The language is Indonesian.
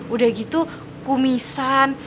udah gitu kumisan